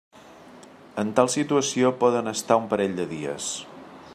En tal situació poden estar un parell de dies.